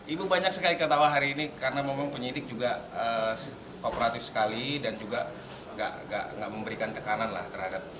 ibu banyak sekali ketawa hari ini karena memang penyidik juga kooperatif sekali dan juga nggak memberikan tekanan lah terhadap